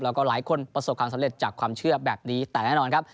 แล้วก็หลายคนประสบความสำเร็จจากความเชื่อแบบนี้แต่แน่นอนครับ